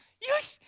よし！